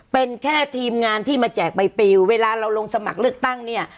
เป็นแค่ทีมงานที่มาแจกใบปิวเวลาเราลงสมัครเลือกตั้งเนี่ย